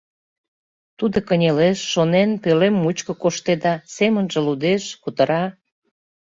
Тудо кынелеш, шонен, пӧлем мучко коштеда, семынже лудеш, кутыра.